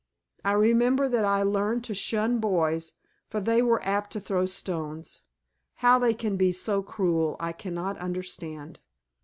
I remember that I learned to shun boys, for they were apt to throw stones. How they can be so cruel I cannot understand.